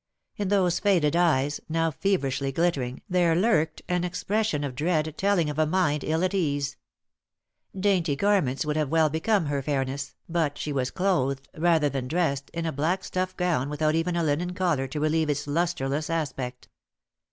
In those faded eyes, now feverishly glittering, there lurked and expression of dread telling of a mind ill at ease. Dainty garments would have well become her fairness, but she was clothed, rather than dressed, in a black stuff gown without even a linen collar to relieve its lustreless aspect.